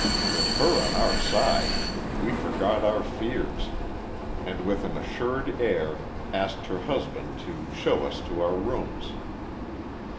With her on our side, we forgot our fears, and, with an assured air, asked her husband to show us to our rooms.